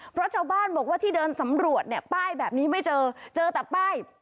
เพราะชาวบ้านบอกว่าที่เดินสำรวจเนี่ยป้ายแบบนี้ไม่เจอเจอแต่ป้าย